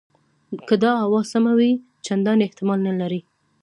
که دا آوازه سمه وي چنداني احتمال نه لري.